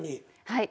はい。